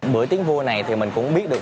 bưởi tiếng vua này thì mình cũng biết được